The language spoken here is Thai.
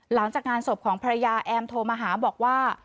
หลังจากงานศพของภรรยาแอมโทรมาหาบอกว่า